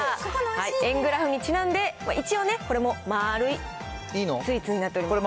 円グラフにちなんで、一応ね、これも丸いスイーツになっています。